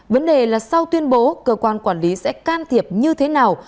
vấn đề là sau tuyên bố cơ quan quản lý sẽ can thiệp như thế nào